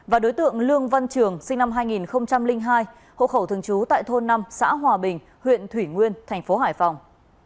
và đối tượng lương văn trường sinh năm hai nghìn hai hộ khẩu thường trú tại thôn năm xã hòa bình huyện thủy nguyên thành phố hải phòng